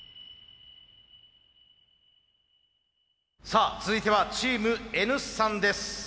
さあ続いてはチームＮ産です。